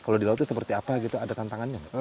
kalau di laut itu seperti apa gitu ada tantangannya